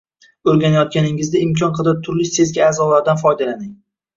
O‘rganayotganingizda imkon qadar turli sezgi a’zolaridan foydalaning.